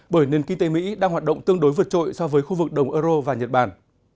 bởi nền kinh tế mỹ đang hoạt động tương đối vượt trội so với khu vực đồng euro và nhật bản